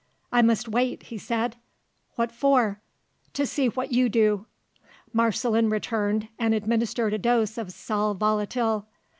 "I must wait," he said. "What for?" "To see what you do." Marceline returned, and administered a dose of sal volatile.